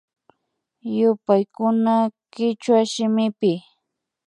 Yupaykuna kichwa shimipi